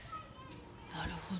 なるほど。